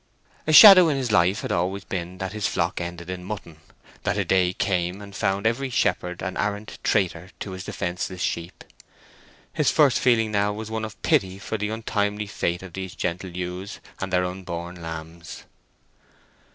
A shadow in his life had always been that his flock ended in mutton—that a day came and found every shepherd an arrant traitor to his defenseless sheep. His first feeling now was one of pity for the untimely fate of these gentle ewes and their unborn lambs.